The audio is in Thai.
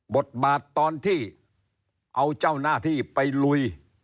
บทบาทตอนที่เอาเจ้าหน้าที่ไปลุย